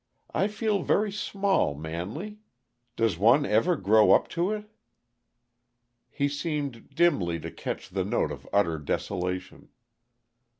I feel very small, Manley; does one ever grow up to it?" He seemed dimly to catch the note of utter desolation.